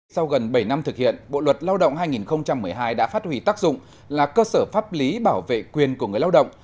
sau gần bảy năm thực hiện bộ luật lao động hai nghìn một mươi hai đã phát huy tác dụng là cơ sở pháp lý bảo vệ quyền của người lao động